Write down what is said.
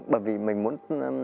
bởi vì mình muốn